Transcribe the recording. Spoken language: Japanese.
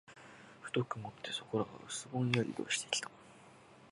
ふと曇って、そこらが薄ぼんやりしてきました。